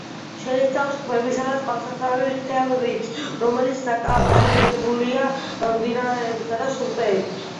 შეიცავს ტბებისა და წყალსაცავების მთელ რიგს, რომლებიც დაკავშირებულია მდინარეებითა და სრუტეებით.